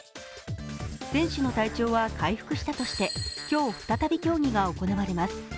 選手の体調は回復したとして今日再び競技が行われます。